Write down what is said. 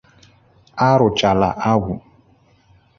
A rụchaala agwụ